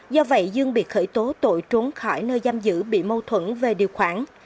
do vậy dương bị khởi tố tội trốn khỏi nơi giam giữ bị mâu thuẫn về điều khoản